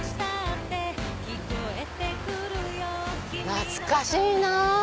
懐かしいなぁ。